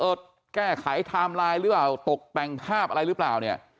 แก้ไขไทม์ไลน์หรือเปล่าตกแต่งภาพอะไรหรือเปล่าเนี่ย